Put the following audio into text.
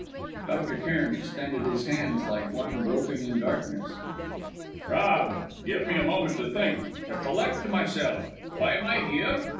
Dr. Cairn extended his hands like one groping in darkness. "Rob, give me a moment, to think, to collect myself. Why am I here?